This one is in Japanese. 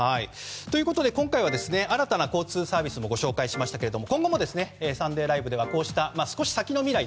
今回は、新たな交通サービスもご紹介しましたが今後も「サンデーＬＩＶＥ！！」ではこうした少し先の未来